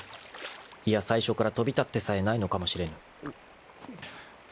［いや最初から飛び立ってさえないのかもしれぬ］